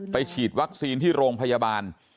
ฉีดวัคซีนที่โรงพยาบาล